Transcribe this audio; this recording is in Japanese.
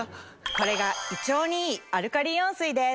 これが胃腸にいいアルカリイオン水です。